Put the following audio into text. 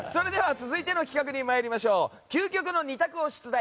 続いての企画に参りましょう究極の２択を出題！